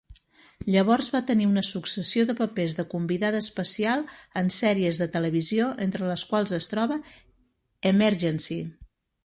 Llavors va tenir una successió de papers de convidada especial en sèries de televisió entre les quals es troba "Emergency!".